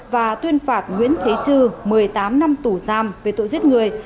và tuyên phạt nguyễn thế chư một mươi tám năm tù giam về tội giết người